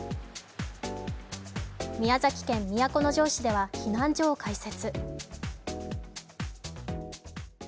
宮崎県都城市では避難所を開設。